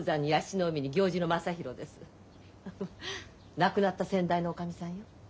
亡くなった先代のおかみさんよ。